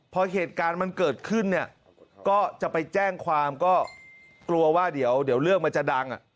พอเหตุการณ์มันเกิดขึ้นเนี่ยก็จะไปแจ้งความก็กลัวว่าเดี๋ยวเรื่องมันจะดัง